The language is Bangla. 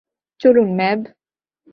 চলুন, ম্যাভ।